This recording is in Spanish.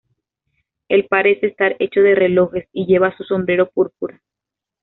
Él parece estar hecho de relojes y lleva un sombrero púrpura.